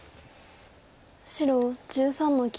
白１３の九。